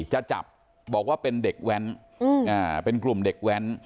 จะจับบอกว่าเป็นเด็กแว้นเป็นกลุ่มเด็กแว้น